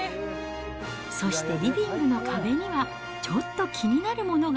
そしてリビングの壁には、ちょっと気になるものが。